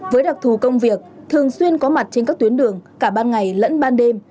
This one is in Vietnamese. với đặc thù công việc thường xuyên có mặt trên các tuyến đường cả ban ngày lẫn ban đêm